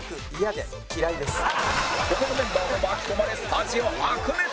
他のメンバーも巻き込まれスタジオ白熱！